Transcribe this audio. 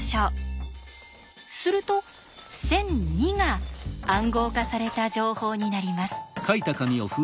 すると１００２が「暗号化された情報」になります。